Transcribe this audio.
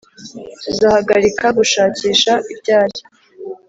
tuzahagarika gushakisha ryari